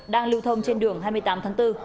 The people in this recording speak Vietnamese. đang lưu thông trên đường hai mươi tám tháng bốn